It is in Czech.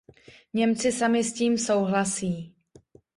Němci sami s tím souhlasí.